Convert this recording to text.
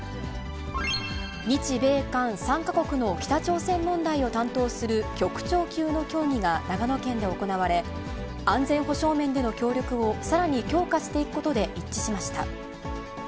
日米韓３か国の北朝鮮問題を担当する局長級の協議が長野県で行われ、安全保障面での協力をさらに強化していくことで一致しました。